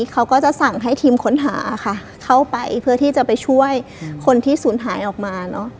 เขาก็จะสั่งให้ทีมค้นหาค่ะเข้าไปเพื่อที่จะไปช่วยคนที่ศูนย์หายออกมาเนอะ